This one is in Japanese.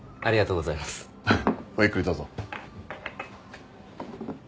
ごゆっくりどうぞ。